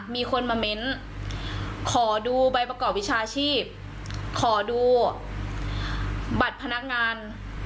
มีคนมาเม้นขอดูใบประกอบวิชาชีพขอดูบัตรพนักงาน